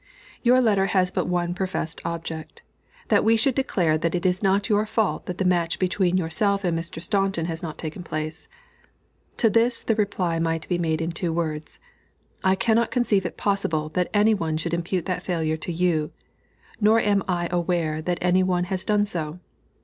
Your letter has but one professed object; that we should declare that it is not your fault that the match between yourself and Mr. Staunton has not taken place. To this the reply might be made in two words. I cannot conceive it possible that any one should impute that failure to you, nor am I aware that any one has done so.